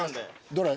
どれ？